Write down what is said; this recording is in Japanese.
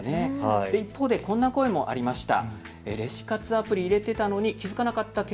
一方でこんな声もありました。